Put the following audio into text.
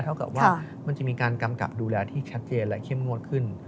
เท่ากับว่ามันจะมีการกำกับดูแลที่ชัดเจนและเข้มงวดขึ้น